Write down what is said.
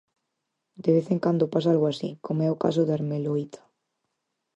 De vez en cando pasa algo así, como é o caso da ermeloíta.